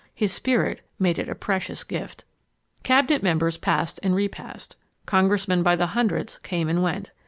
His spirit made it a precious gift. Cabinet members passed and repassed. Congressmen by the hundreds came and went.